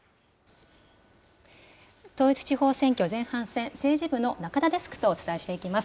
統一地方選挙前半戦、政治部の中田デスクとお伝えしていきます。